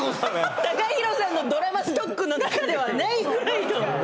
ＴＡＫＡＨＩＲＯさんのドラマストックの中ではないくらいの。